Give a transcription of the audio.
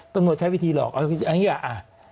ตำรวจใช้วิธีหลอกอังงี้ก็